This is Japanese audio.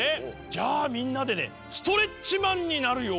じゃあみんなでねストレッチマンになるよ？